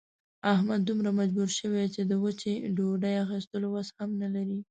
احمد دومره مجبور شوی چې د وچې ډوډۍ اخستلو وس هم نه لري.